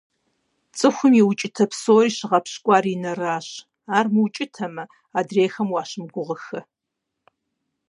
ЦӀыхум и укӀытэ псори щыгъэпщкӀуар и нэращ, ар мыукӀытэмэ, адрейхэм уащымыгугъыххэ.